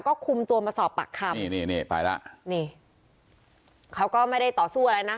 ก็คุมตัวมาสอบปากคำนี่นี่ไปแล้วนี่เขาก็ไม่ได้ต่อสู้อะไรนะ